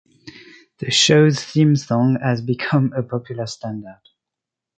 The show's theme song has become a popular standard.